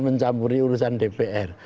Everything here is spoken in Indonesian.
mencampuri urusan dpr